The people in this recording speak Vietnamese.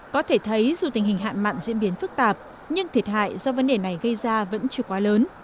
có thể thấy dù tình hình hạn mạn diễn biến phức tạp nhưng thiệt hại do vấn đề này gây ra vẫn chưa quá lớn